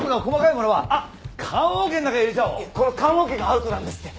いやこの棺桶がアウトなんですって。